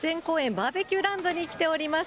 バーベキューランドに来ております。